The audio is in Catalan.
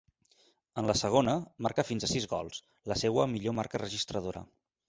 En la segona, marca fins a sis gols, la seua millor marca registradora.